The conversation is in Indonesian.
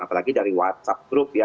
apalagi dari whatsapp group ya